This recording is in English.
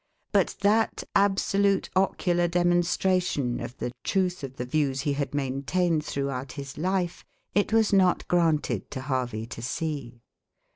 But that absolute ocular demonstration of the truth of the views he had maintained throughout his life it was not granted to Harvey to see.